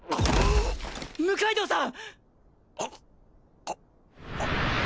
六階堂さん！